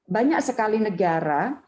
banyak sekali negara